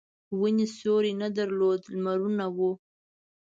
ونې سیوری نه درلود لمرونه وو.